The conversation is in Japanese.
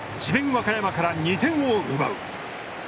和歌山から２点を奪う。